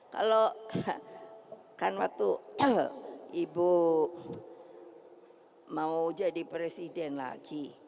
kalau kan waktu ibu mau jadi presiden lagi